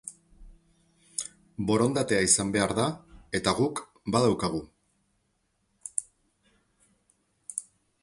Borondatea izan behar da eta guk badaukagu.